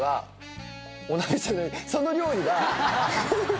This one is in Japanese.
その料理は。